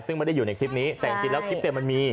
ซึ่งไม่ได้อยู่ในคลิปนี้แต่จริงแล้วคลิปเต็มมันมี